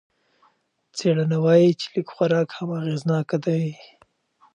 څېړنه وايي چې لږ خوراک هم اغېزناکه دی.